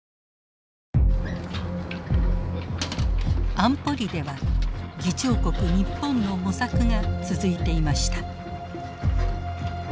安保理では議長国日本の模索が続いていました。